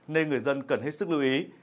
nên người dân cần hết sức lưu ý